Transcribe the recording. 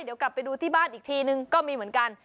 เดี๋ยวกลับไปดูที่บ้านอีกทีนึงก็มีเหมือนกัน